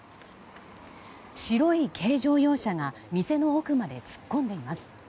白い軽乗用車が店の奥まで突っ込んでいます。